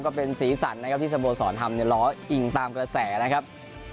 ก็เป็นสีสันนะครับที่สโมสรทำเนี่ยล้ออิงตามกระแสนะครับ